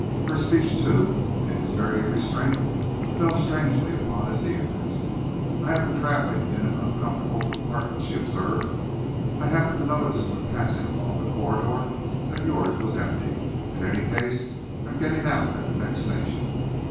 Her speech, too, in its very restraint, fell strangely upon his ears. "I have been travelling in an uncomfortable compartment," she observed. "I happened to notice, when passing along the corridor, that yours was empty. In any case, I am getting out at the next station."